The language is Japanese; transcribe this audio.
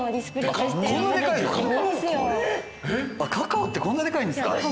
カカオってこんなでかいんですか？